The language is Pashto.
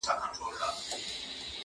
• څو مجمر د آسمان تود وي -